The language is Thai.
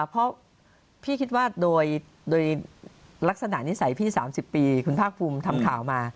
เพราะพี่คิดว่าโดยลักษณะนิสัยพี่๓๐ปีคุณภาคภูมิทำข่าวมา